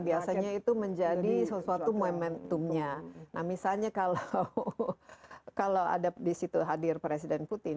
biasanya itu menjadi sesuatu momentumnya nah misalnya kalau ada disitu hadir presiden putin